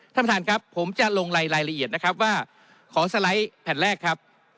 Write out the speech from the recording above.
ท่านประธานครับผมจะลงรายละเอียดนะครับว่าขอสไลด์แผ่นแรกครับ